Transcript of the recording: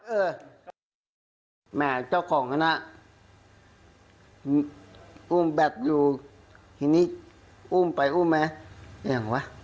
เออแม่เจ้าของอันน่ะอุ้มแบบอยู่ทีนี้อุ้มไปอุ้มไงยังไงวะ